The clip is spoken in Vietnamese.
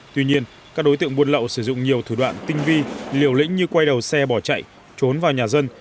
tuy nhiên các đối tượng buôn lậu sử dụng nhiều thủ đoạn tinh vi liều lĩnh như quay đầu xe bỏ chạy trốn vào nhà dân